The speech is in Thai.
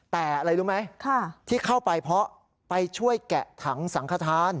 แต่อะไรรู้ไหมที่เข้าไปเพราะไปช่วยแกะถังสังขทาน